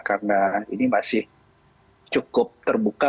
karena ini masih cukup terbuka